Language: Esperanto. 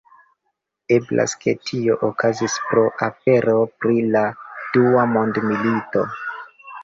Eblas ke tio okazis pro afero pri la Dua Mondmilito.